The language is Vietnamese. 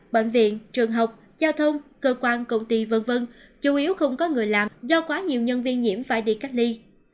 bệnh viện trường học giao thông cơ quan công ty v v chủ yếu không có người làm do quá nhiều nhân viên nhiễm phải đi cách ly